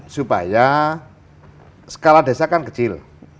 supaya skala desa kan kecil